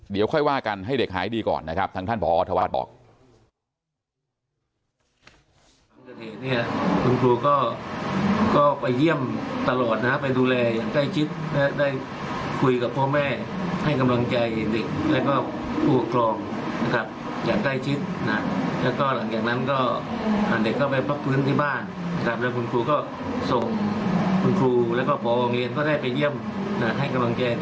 เดี๋ยวค่อยว่ากันให้เด็กหายดีก่อนนะครับทางท่านผอธวัฒน์บอก